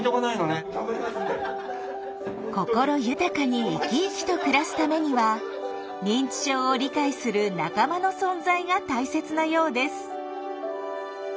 心豊かにイキイキと暮らすためには「認知症」を理解する仲間の存在が大切なようです。